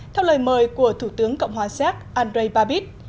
theo lời mời của thủ tướng cộng hòa xác andrei babich